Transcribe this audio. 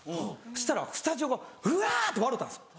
そしたらスタジオがうわって笑うたんです。